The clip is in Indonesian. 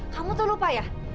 kamu tuh lupa ya